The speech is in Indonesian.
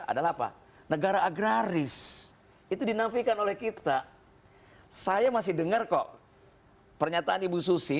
adalah apa negara agraris itu dinafikan oleh kita saya masih dengar kok pernyataan ibu susi